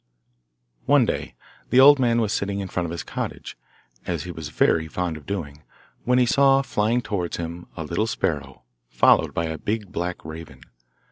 One day the old man was sitting in front of his cottage, as he was very fond of doing, when he saw flying towards him a little sparrow, followed by a big black raven.